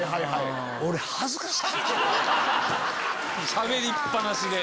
しゃべりっ放しで。